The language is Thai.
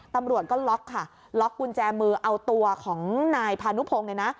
ตำรวจก็ล็อกค่ะล็อกกุญแจมือเอาตัวของนายพานุพงศ์เนี่ยนะ